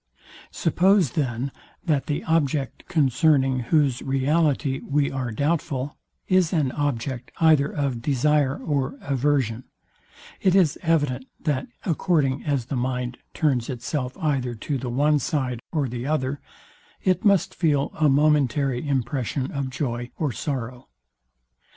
Suppose, then, that the object, concerning whose reality we are doubtful, is an object either of desire or aversion, it is evident, that, according as the mind turns itself either to the one side or the other, it must feel a momentary impression of joy or sorrow.